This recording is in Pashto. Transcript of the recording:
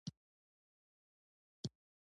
پسرلی د ژوند او ښکلا پیلامه ده.